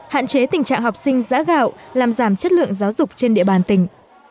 hạn chế tình trạng học sinh giã gạo làm giảm chất lượng giáo dục trên địa bàn tỉnh